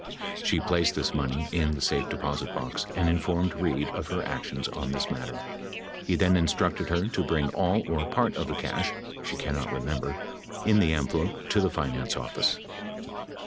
She placed this money in the safe deposit. box and informed Reid of her actions on this matter. He then instructed her to bring all or part of the cash (she cannot remember) in the envelope to the finance office.